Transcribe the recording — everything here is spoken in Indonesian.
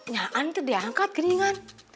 ya ampun diangkat geningan